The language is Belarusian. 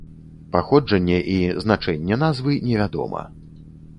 Паходжанне і значэнне назвы невядома.